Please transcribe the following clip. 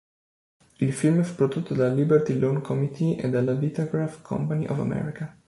Il film fu prodotto dalla Liberty Loan Committee e dalla Vitagraph Company of America.